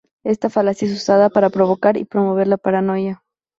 Esta falacia es usada para provocar y promover la paranoia.